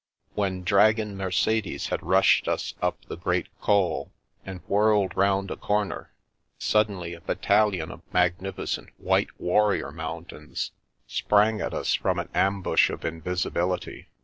When Dragon Mercedes had rushed us up the great G)l, and whirled round a comer, suddenly a battalion of magnificent white warrior mountains sprang at us from an ambush of invisibility.